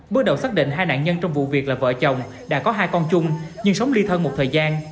bước đầu xác định hai nạn nhân trong vụ việc là vợ chồng đã có hai con chung nhưng sống ly thân một thời gian